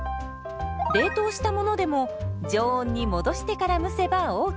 冷凍したものでも常温に戻してから蒸せばＯＫ。